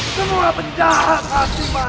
semua penjahat hati mati